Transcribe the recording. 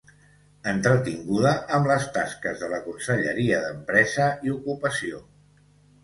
Entretinguda amb les tasques de la Conselleria d'Empresa i Ocupació.